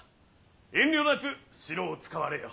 遠慮なく城を使われよ。